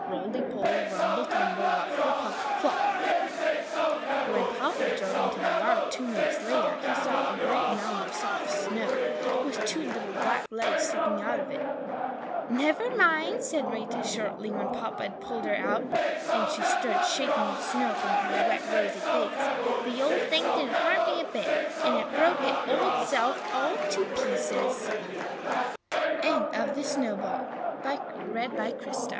roly poly, rumble tumble, ruffle puffle, flop! When Papa drove into the yard, two minutes later, he saw a great mound of soft snow, with two little black legs sticking out of it. "Never mind!" said Rita, shortly, when Papa had pulled her out, and she stood shaking the snow from her wet, rosy face, "the old thing didn't hurt me a bit, and it broke its old self a